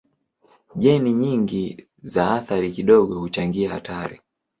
Jeni nyingi za athari kidogo huchangia hatari.